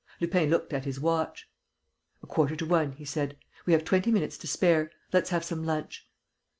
Lupin looked at his watch: "A quarter to one," he said. "We have twenty minutes to spare. Let's have some lunch."